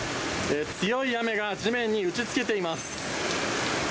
強い雨が地面に打ちつけています。